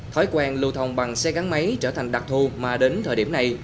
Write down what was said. thói quen lưu thông bằng xe gắn máy trở thành đặc thù mà đến thời điểm này